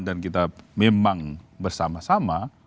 dan kita memang bersama sama